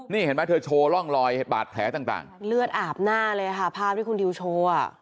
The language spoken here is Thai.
นี่เห็นไหมเธอโชว์ร่องรอยบาดแผลต่างเลือดอาบหน้าเลยค่ะภาพที่คุณดิวโชว์อ่ะ